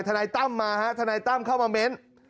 นายตั้มมาฮะทนายตั้มเข้ามาเม้น